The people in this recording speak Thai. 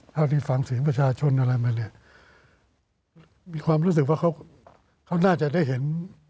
ที่ฟังเสียงประชาชนอะไรมาเนี่ยมีความรู้สึกว่าเขาน่าจะได้เห็น